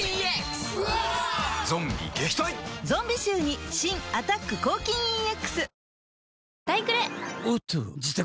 ゾンビ臭に新「アタック抗菌ＥＸ」